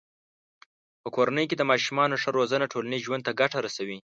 په کورنۍ کې د ماشومانو ښه روزنه ټولنیز ژوند ته ګټه رسوي.